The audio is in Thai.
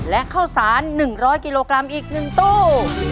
และข้าวสาร๑๐๐กิโลกรัมอีก๑ตู้